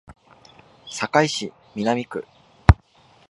堺市南区